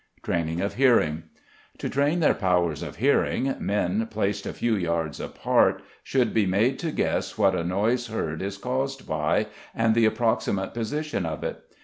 Training of Hearing. To train their powers of hearing, men, placed a few yards apart, should be made to guess what a noise heard is caused by, and the approximate position of it.